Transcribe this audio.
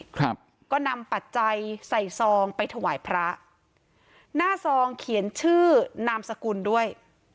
ครับก็นำปัจจัยใส่ซองไปถวายพระหน้าซองเขียนชื่อนามสกุลด้วย